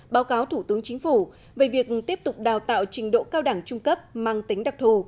báo cáo thủ tướng chính phủ về việc tiếp tục đào tạo trình độ cao đẳng trung cấp mang tính đặc thù